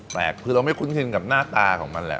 แปลกคือเราไม่คุ้นชินกับหน้าตาของมันแหละ